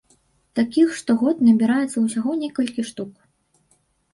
Такіх штогод набіраецца ўсяго некалькі штук.